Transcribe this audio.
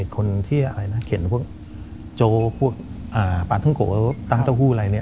คนที่เห็นพวกโจฬปะทุ่งโกะตำเต้าหู้อะไรเนี่ย